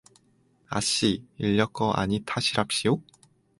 아씨, 인력거 아니 타시랍시요?